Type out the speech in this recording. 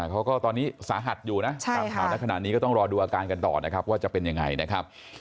เขาก็ตอนนี้สาหัสอยู่นะตามข่าวในขณะนี้ก็ต้องรอดูอาการกันต่อนะครับว่าจะเป็นยังไงนะครับ